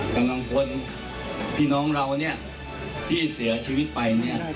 กับนางคนปิน้องเราเนี่ยที่เสียชีวิตไปเนี่ย